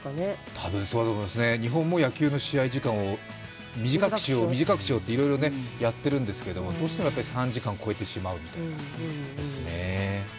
たぶんそうだと思いますね、日本も野球の試合時間を短くしよう、短くしようっていろいろやってるんですけどどうしても３時間を超えてしまうんですね。